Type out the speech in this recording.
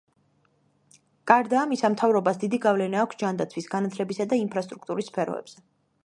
გარდა ამისა, მთავრობას დიდი გავლენა აქვს ჯანდაცვის, განათლებისა და ინფრასტრუქტურის სფეროებზე.